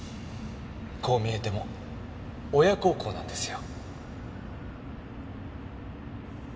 こう見えても親孝行なんですよ。